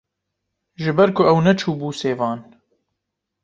Ji ber ku ew neçûbû sêvan